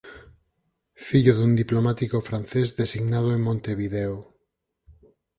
Fillo dun diplomático francés designado en Montevideo.